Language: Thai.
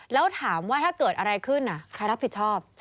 แล้วถามว่าถ้าเกิดอะไรขึ้นใครรับผิดชอบ